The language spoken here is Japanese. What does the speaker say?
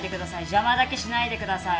邪魔だけしないでください。